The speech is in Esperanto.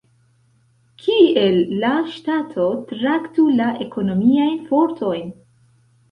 Kiel la ŝtato traktu la ekonomiajn fortojn?